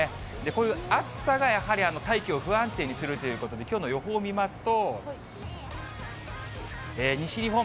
こういう暑さがやはり、大気を不安定にするということで、きょうの予報見ますと、西日本、